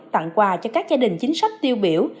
tặng quà cho các gia đình chính sách tiêu biểu